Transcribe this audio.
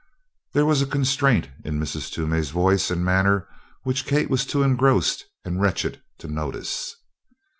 There was a constraint in Mrs. Toomey's voice and manner which Kate was too engrossed and wretched to notice.